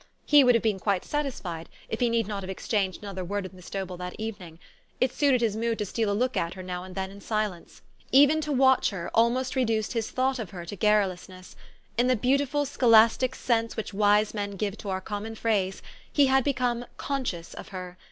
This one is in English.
He would have been quite satisfied if he need not have exchanged another word with Miss Dobell that evening. It suited his mood to steal a look at her now and then in silence. Even to watch her, almost reduced his thought of her to garrulousness. In the beautiful scholastic sense which wise men give to our common phrase, he had become conscious of her.